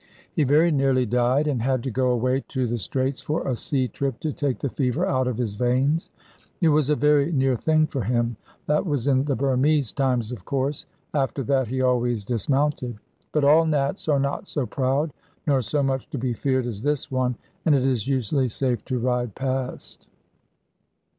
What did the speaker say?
He very nearly died, and had to go away to the Straits for a sea trip to take the fever out of his veins. It was a very near thing for him. That was in the Burmese times, of course. After that he always dismounted. But all Nats are not so proud nor so much to be feared as this one, and it is usually safe to ride past.